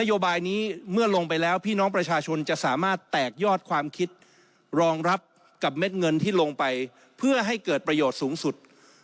นโยบายนี้เมื่อลงไปแล้วพี่น้องประชาชนจะสามารถแตกยอดความคิดรองรับกับเม็ดเงินที่ลงไปเพื่อให้เกิดประโยชน์สูงสุด